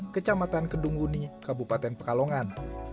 kecamatan kedunguni kabupaten pekalongan